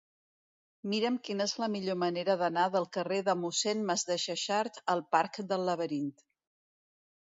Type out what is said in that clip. Mira'm quina és la millor manera d'anar del carrer de Mossèn Masdexexart al parc del Laberint.